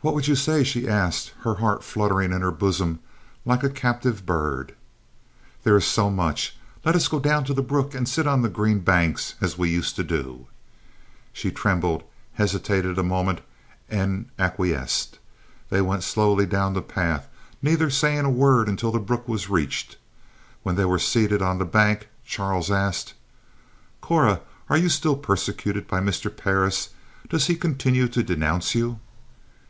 "What would you say?" she asked, her heart fluttering in her bosom like a captive bird. "There is much. Let us go down to the brook and sit on the green banks as we used to do." She trembled, hesitated a moment and acquiesced. They went slowly down the path, neither saying a word until the brook was reached. When they were seated on the bank, Charles asked: "Cora, are you still persecuted by Mr. Parris? Does he continue to denounce you?"